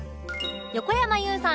横山裕さん